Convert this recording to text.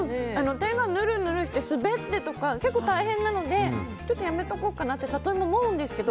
手がぬるぬるして滑ってとか結構大変なのでやめておこうかなってサトイモは思うんですけど